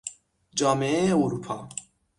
جامعه اروپا